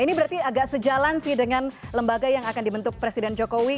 ini berarti agak sejalan sih dengan lembaga yang akan dibentuk presiden jokowi